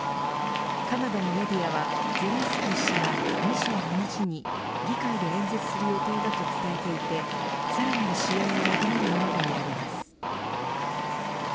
カナダのメディアはゼレンスキー氏が２２日に議会で演説する予定だと伝えていてさらなる支援を求めるものとみられます。